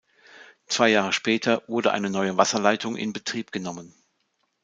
Zwei Jahre später wurde eine neue Wasserleitung in Betrieb genommen.